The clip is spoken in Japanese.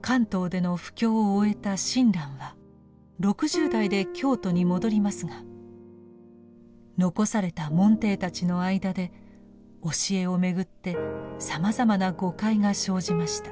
関東での布教を終えた親鸞は６０代で京都に戻りますが残された門弟たちの間で教えを巡ってさまざまな誤解が生じました。